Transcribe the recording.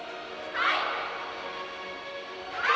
はい！